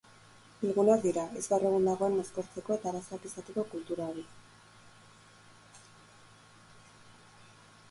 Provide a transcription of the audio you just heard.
Bilguneak dira, ez gaur egun dagoen mozkortzeko eta arazoak izateko kultura hori.